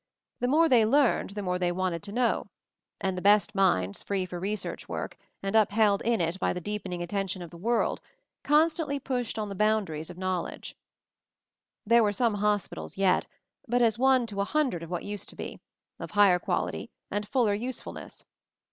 The more they learned the more they wanted to know; and the best minds, free for research work, and upheld in it by the deepening attention of the world, constantly pushed on the boundaries of knowledge. There were some hospitals yet, but as one to a hundred of what used to be, of higher quality, and fuller usefulness.